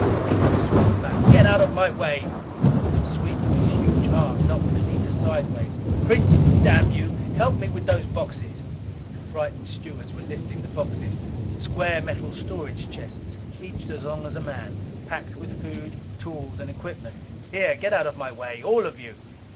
Miko swung back. "Get out of my way!" A sweep of his huge arm knocked Anita sidewise. "Prince, damn you, help me with those boxes!" The frightened stewards were lifting the boxes, square metal storage chests each as long as a man, packed with food, tools, and equipment. "Here, get out of my way! All of you!"